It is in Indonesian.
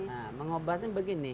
nah mengubahnya begini